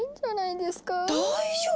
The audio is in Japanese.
大丈夫！